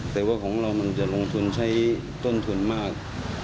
แต่ว่าของเรามันจะลงทุนใช้ต้นทุนมาก